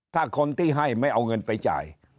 ถ้าคนที่ให้ไม่เอาเงินไปจ่าย